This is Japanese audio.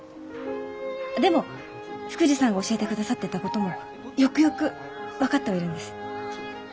でも福治さんが教えてくださってたこともよくよく分かってはいるんです。